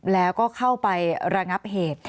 แล้วก็เข้าไประงับเหตุ